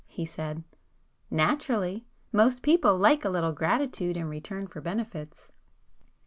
he said. "Naturally! Most people like a little gratitude in return for benefits."